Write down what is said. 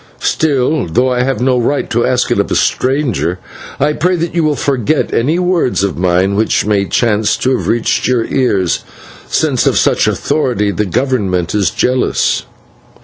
Still, though I have no right to ask it of a stranger, I pray that you will forget any words of mine which may chance to have reached your ears, since of such authority the Government is jealous."